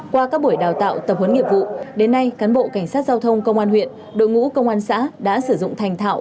qua các buổi đào tạo tập huấn nghiệp vụ đến nay cán bộ cảnh sát giao thông công an huyện đội ngũ công an xã đã sử dụng thành thạo